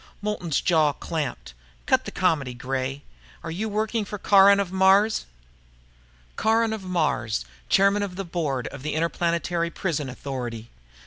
Moulton's jaw clamped. "Cut the comedy, Gray. Are you working for Caron of Mars?" Caron of Mars, chairman of the board of the Interplanetary Prison Authority.